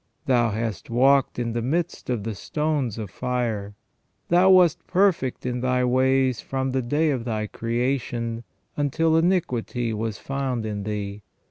Thou hast walked in the midst of the stones of fire. Thou wast perfect in thy ways from the day of thy creation, until iniquity was found in thee.